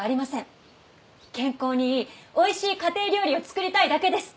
健康にいいおいしい家庭料理を作りたいだけです。